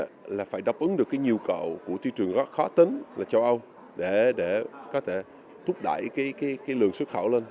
thứ hai là phải đáp ứng được cái nhu cầu của thị trường khó tính là châu âu để có thể thúc đẩy cái lượng xuất khẩu lên